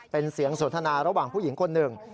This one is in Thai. เป็นเสียงสนทนาระหว่างผู้หญิงคนหนึ่ง